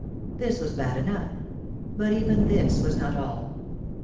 This was bad enough ; but even this was not all.